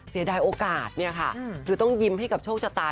เสียดายโอกาสเนี่ยค่ะคือต้องยิ้มให้กับโชคชะตา